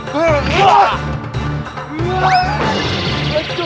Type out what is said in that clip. gue ada waktu